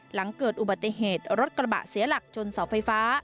หลังเกิดอุบัติเหตุรถกระบะเสียหลักชนเสาไฟฟ้า